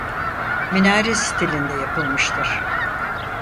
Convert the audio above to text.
Minare stilinde yapılmıştır.